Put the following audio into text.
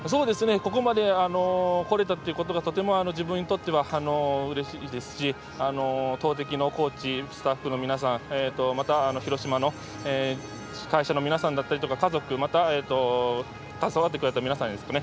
ここまでこれたということがとても自分にとってはうれしいですし投てきのコーチスタッフの皆さんまた広島の会社の皆さんだったりとか家族携わってくれた皆さんですかね